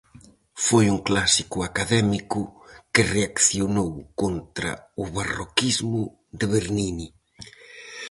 Foi un clásico académico que reaccionou contra o barroquismo de Bernini.